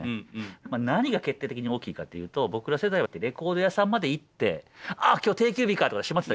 何が決定的に大きいかっていうと僕ら世代はレコード屋さんまで行って「あ！今日定休日か」とか閉まってたりしてね。